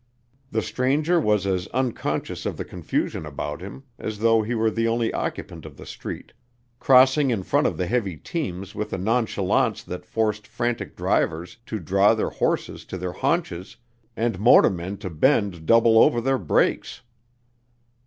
The stranger was as unconscious of the confusion about him as though he were the only occupant of the street, crossing in front of the heavy teams with a nonchalance that forced frantic drivers to draw their horses to their haunches, and motormen to bend double over their brakes.